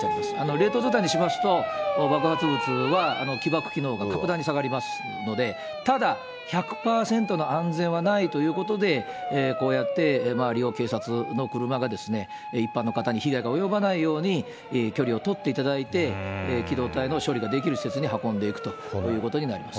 冷凍状態にしますと、爆発物は起爆機能が格段に下がりますので、ただ、１００％の安全はないということで、こうやって周りを警察の車が、一般の方に被害が及ばないように距離を取っていただいて、機動隊の処理ができる施設に運んでいくということになります。